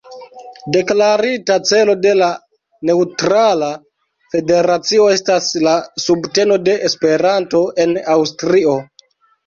Deklarita celo de la neŭtrala federacio estas la subteno de Esperanto en Aŭstrio.